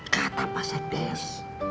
kata pak said des